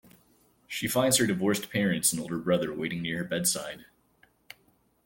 She finds her divorced parents and older brother waiting near her bedside.